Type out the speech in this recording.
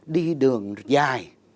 đi đường dài